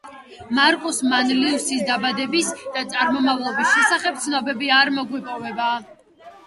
მარკუს მანლიუსის დაბადების და წარმომავლობის შესახებ ცნობები არ მოგვეპოვება.